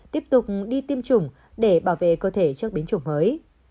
tiếp tục đi tiêm chủng để bảo vệ cơ thể trước biến chủng mới